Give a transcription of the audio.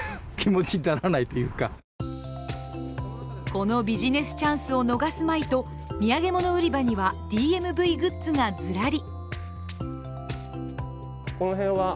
このビジネスチャンスを逃すまいと土産物売り場には、ＤＭＶグッズがずらり。